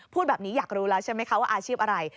พูดแบบนี้อยากรู้แล้วใช่ไหมคะว่าอาชีพอะไร